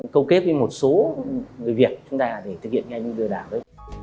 câu kết với một số người việt chúng ta để thực hiện ngay như lừa đảo đấy